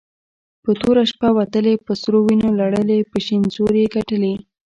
په توره شپه وتلې په سرو وينو لړلې په شين زور يي ګټلې